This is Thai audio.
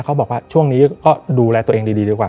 เขาบอกว่าช่วงนี้ก็ดูแลตัวเองดีดีกว่า